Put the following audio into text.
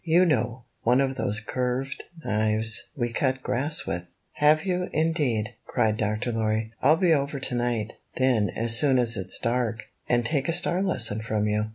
"You know, one of those curved knives we cut gi^ass with." "Have you, indeed?" cried Dr. Lorry. "I'll be over tonight, then, as soon as it's dark, and take a star lesson from you."